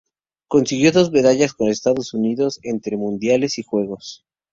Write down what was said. Consiguió dos medallas con Estados Unidos, entre mundiales y Juegos.